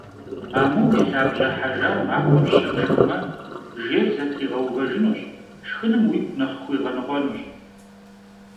Амум и лъабжьэ хьэжар махуэм щэ пшхымэ, жейр зэтригъэувэжынущ, шхыным уигу нэхъ хуигъэкӏуэнущ.